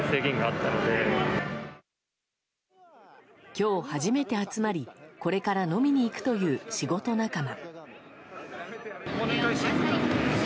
今日初めて集まりこれから飲みに行くという仕事仲間。